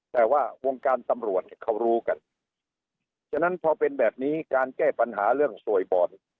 แต่ว่าวงการตำรวจเนี่ยเขารู้กันฉะนั้นพอเป็นแบบนี้การแก้ปัญหาเรื่องสวยบอล